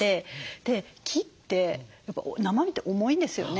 で木って生木って重いんですよね。